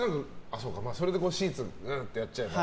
それでシーツをやっちゃえば。